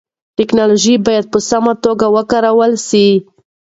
ټیکنالوژي باید په سمه توګه وکارول سي.